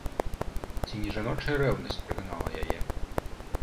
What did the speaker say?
Ці не жаночая рэўнасць прыгнала яе?